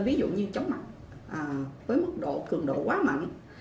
ví dụ như chóng mặt với mức độ cường độ quá mạnh